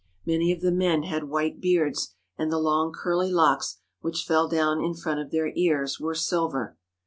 Many of the men had white beards and the long curly locks which fell down in front of their ears were silver.